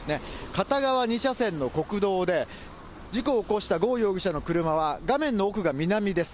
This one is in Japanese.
片側２車線の国道で、事故を起こした呉容疑者の車は、画面の奥が南です。